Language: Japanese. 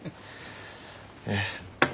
ええ。